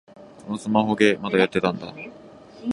このスマホゲー、まだやってたんだ